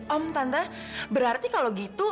om tante berarti kalau gitu